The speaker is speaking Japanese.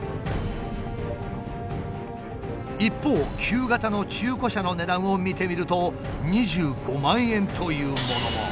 一方旧型の中古車の値段を見てみると２５万円というものも。